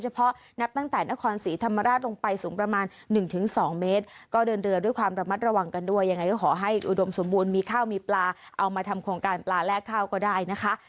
อย่างไรก็อยากสมบูรณ์ให้ที่อุดมมีข้าวมีปลาเอามาทำโครงการปลาและข้าวก็ได้นะคะ